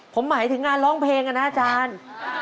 ผมหมายถึงงานร้องเพลงนะอาจารย์